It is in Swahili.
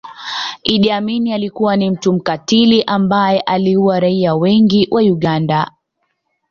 Idi Amin alikuwa ni mtu mkatili ambaye aliua raia wengi wa Uganda